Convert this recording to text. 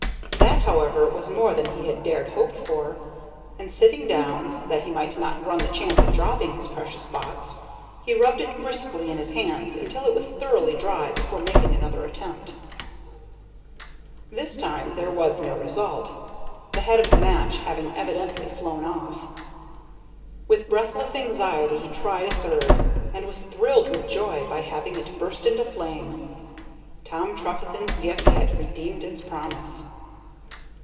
That, however, was more than he had dared hope for, and, sitting down, that he might not run the chance of dropping his precious box, he rubbed it briskly in his hands until it was thoroughly dry before making another attempt. This time there was no result, the head of the match having evidently flown off. With breathless anxiety he tried a third, and was thrilled with joy by having it burst into flame. Tom Trefethen's gift had redeemed its promise.